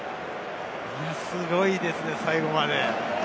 すごいですね、最後まで。